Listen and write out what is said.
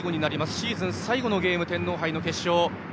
シーズン最後のゲーム天皇杯の決勝